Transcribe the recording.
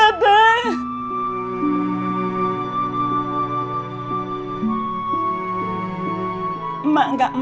maksudnya jika kamu mengangguk emak akan menggolongmu